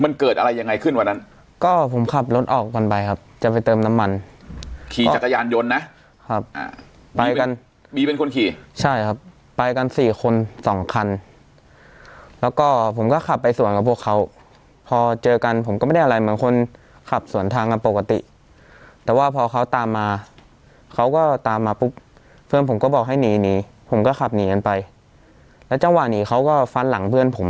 มันเกิดอะไรยังไงขึ้นวันนั้นก็ผมขับรถออกกันไปครับจะไปเติมน้ำมันขี่จักรยานยนต์นะครับไปกันบีเป็นคนขี่ใช่ครับไปกันสี่คนสองคันแล้วก็ผมก็ขับไปสวนกับพวกเขาพอเจอกันผมก็ไม่ได้อะไรเหมือนคนขับสวนทางกันปกติแต่ว่าพอเขาตามมาเขาก็ตามมาปุ๊บเพื่อนผมก็บอกให้หนีหนีผมก็ขับหนีกันไปแล้วจังหวะนี้เขาก็ฟันหลังเพื่อนผม